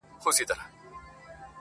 • زما د تصور لاس گراني ستا پر ځــنگانـه.